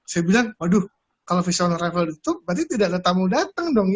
saya bilang waduh kalau visual arrival ditutup berarti tidak ada tamu datang dong ya